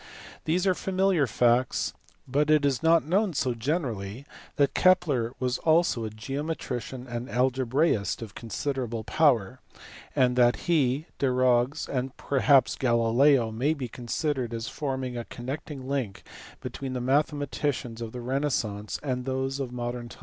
These are familiar facts, but it is not known so generally that Kepler was also a geometrician and algebraist of considerable power ; and that he, Desargues, and perhaps Galileo may be considered as forming a connecting link between the mathematicians of the renaissance and those of modern times.